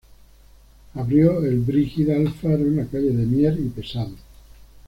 Abrió el Brígida Alfaro en la calle de Mier y Pesado.